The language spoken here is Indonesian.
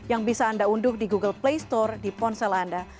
yang bisa anda unduh di google play store di ponsel anda